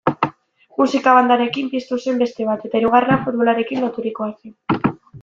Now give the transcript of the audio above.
Musika-bandarekin piztu zen beste bat, eta hirugarrena futbolarekin loturikoa zen.